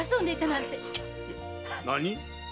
何？